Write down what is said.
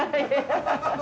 ハハハハ！